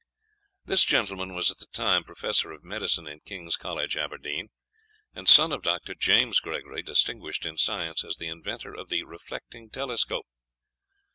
This gentleman was at the time Professor of Medicine in King's College, Aberdeen, and son of Dr. James Gregory, distinguished in science as the inventor of the reflecting telescope.